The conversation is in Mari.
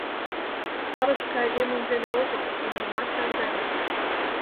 Сарышке айдемым веле огыл, имньымат наҥгаеныт.